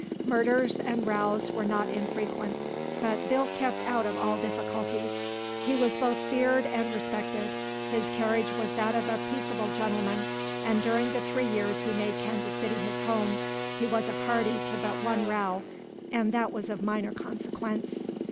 Murders and rows were not infrequent, but Bill kept out of all difficulties. He was both feared and respected. His carriage was that of a peaceable gentleman, and during the three years he made Kansas City his home, he was a party to but one row, and that was of minor consequence.